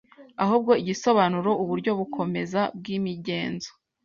ahubwo igasobanura uburyo bukomeza bwimigenzo